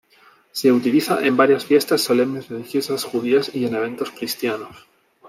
Se utiliza en varias fiestas solemnes religiosas judías y en eventos cristianos.